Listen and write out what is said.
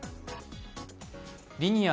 リニア